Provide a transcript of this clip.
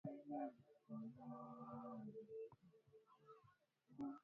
Maboresho na uwezeshaji wa serikali za mitaa